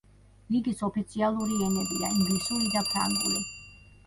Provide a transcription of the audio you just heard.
ლიგის ოფიციალური ენებია: ინგლისური და ფრანგული.